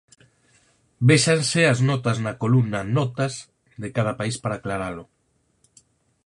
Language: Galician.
Vexasen as notas na columna "notas" de cada país para aclaralo.